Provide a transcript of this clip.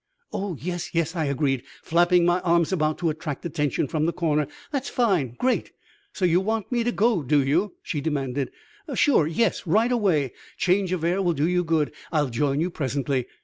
"Oh, yes, yes!" I agreed, flapping my arms about to attract attention from the corner. "That's fine great!" "So you want me to go, do you?" she demanded. "Sure, yes right away! Change of air will do you good. I'll join you presently!"